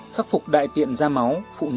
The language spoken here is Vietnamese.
khắc phục đại tiện da máu phụ nữ rong kinh